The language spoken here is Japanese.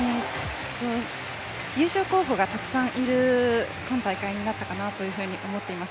優勝候補がたくさんいる今大会になったかと思います。